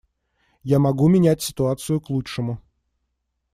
Я могу менять ситуацию к лучшему.